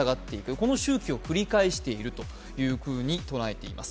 この周期を繰り返していると捉えています。